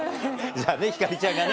じゃあね星ちゃんがね